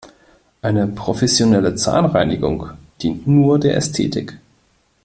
Eine professionelle Zahnreinigung dient nur der Ästhetik.